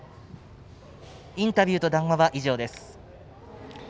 インタビューと談話は以上です。